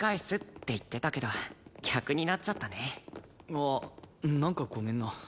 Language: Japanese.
ああなんかごめんな。